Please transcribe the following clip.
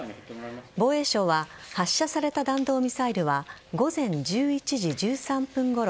防衛省は発射された弾道ミサイルは午前１１時１３分ごろ